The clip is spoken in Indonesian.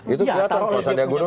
itu kelihatan pak sandi aguno